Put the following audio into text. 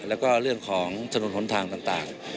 แล้วก็เรื่องของถนนหนทางต่าง